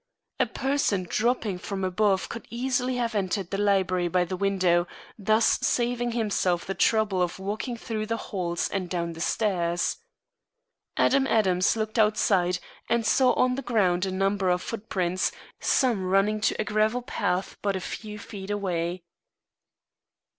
A person dropping from above could easily have entered the library by the window, thus saving himself the trouble of walking through the halls and down the stairs. Adam Adams looked outside, and saw on the ground a number of footprints, some running to a gravel path but a few feet away.